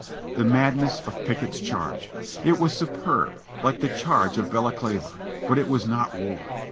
The madness of Pickett's charge! It was superb — like the charge of Balaklava; but it was not war.